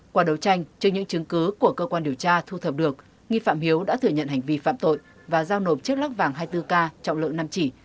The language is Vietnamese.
qua đấu tranh trước những chứng cứ của cơ quan điều tra thu thập được nghi phạm hiếu đã thừa nhận hành vi phạm tội và giao nộp chiếc lắc vàng hai mươi bốn k trọng lượng năm chỉ